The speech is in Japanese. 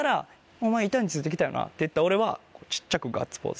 「お前板について来たよな」って言った俺は小っちゃくガッツポーズ。